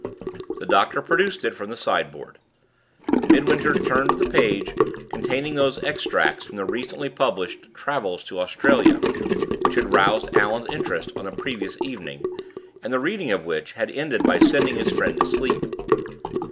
The doctor produced it from the sideboard. Midwinter turned to the page containing those extracts from the recently published "Travels in Australia," which had roused Allan's, interest on the previous evening, and the reading of which had ended by sending his friend to sleep.